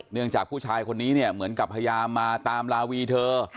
จากผู้ชายคนนี้เนี่ยเหมือนกับพยายามมาตามลาวีเธอ